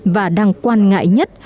và đang quan ngại nhất